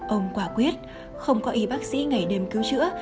ông quả quyết không có y bác sĩ ngày đêm cứu chữa